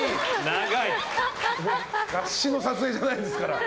雑誌の撮影じゃないんですから。